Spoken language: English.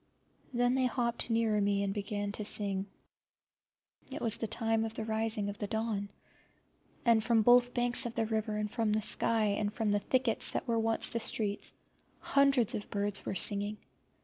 Then they hopped nearer me and began to sing. It was the time of the rising of the dawn, and from both banks of the river, and from the sky, and from the thickets that were once the streets, hundreds of birds were singing.